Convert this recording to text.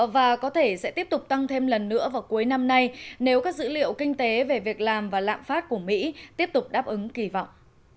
và có thể sẽ tiếp tục tăng thêm lần nữa vào cuối năm nay nếu các dữ liệu kinh tế về việc làm và lạm phát của mỹ tiếp tục đáp ứng kỳ vọng